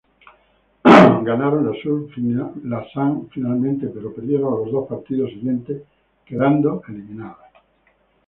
Ganaron las Sun finalmente, pero perdieron los dos partidos siguientes, quedando eliminadas.